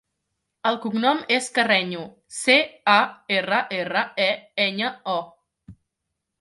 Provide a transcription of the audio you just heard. El cognom és Carreño: ce, a, erra, erra, e, enya, o.